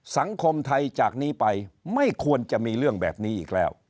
สังคมไทยจากนี้ไปไม่ควรจะมีเรื่องแบบนี้อีกแล้ว